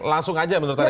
langsung aja menurut anda